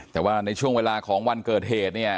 แต่ว่าในช่วงเวลาของวันเกิดเหตุเนี่ย